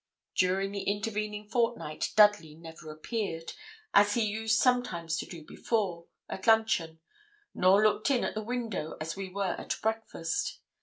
During the intervening fortnight Dudley never appeared, as he used sometimes to do before, at luncheon, nor looked in at the window as we were at breakfast.